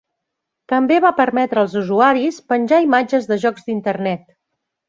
També va permetre als usuaris penjar imatges de jocs d'Internet.